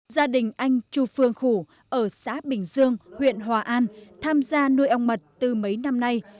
gia đình anh chu phương khủ ở xã bình dương huyện hòa an tham gia nuôi ong mật từ mấy năm nay